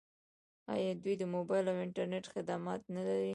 آیا دوی د موبایل او انټرنیټ خدمات نلري؟